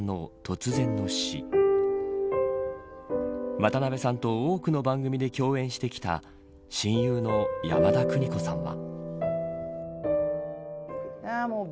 渡辺さんと多くの番組で共演してきた親友の山田邦子さんは。